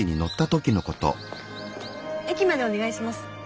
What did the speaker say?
駅までお願いします。